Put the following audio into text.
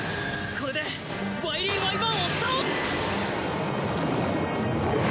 これでワイリーワイバーンを倒す！